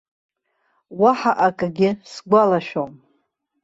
Уаҳа акагьы сгәалашәом.